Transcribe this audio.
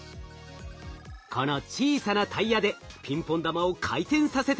この小さなタイヤでピンポン玉を回転させています。